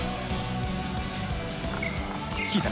チキータ。